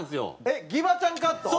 えっギバちゃんカット？